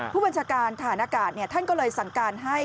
ผู้บัญชาการฐานอากาศท่านก็เลยสั่งการให้